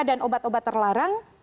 dan obat obat terlarang